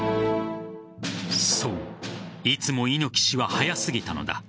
そういつも猪木氏は早すぎたのだ。